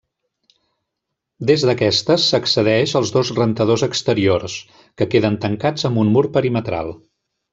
Des d'aquestes s'accedeix als dos rentadors exteriors, que queden tancats amb un mur perimetral.